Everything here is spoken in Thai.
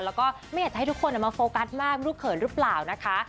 แล้วก็ไม่อยากจะให้ทุกคนมาโฟกัสมากลูกเขินหรือเปล่านะคะ